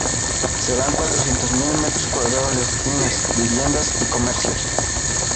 Serán cuatrocientos mil metros cuadrados de oficinas, viviendas y comercios.